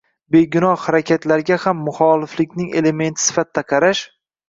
“begunoh” harakatlarga ham “muxoliflik”ning elementi sifatida qarash